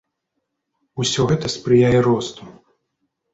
Усё гэта спрыяе росту.